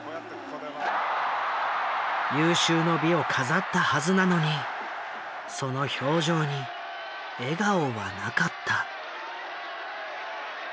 有終の美を飾ったはずなのにその表情に笑顔はなかった。